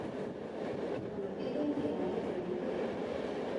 حکومتي دندې عیب نه دی.